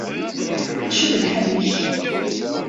Acu d lḥal-ik?